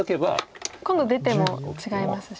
今度出ても違いますしね。